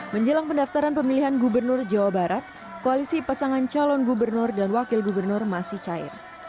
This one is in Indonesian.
menjelang pendaftaran pemilihan gubernur jawa barat koalisi pasangan calon gubernur dan wakil gubernur masih cair